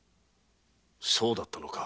そうだったのか。